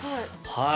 はい。